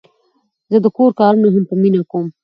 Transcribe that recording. زه د کور کارونه هم په مینه کوم.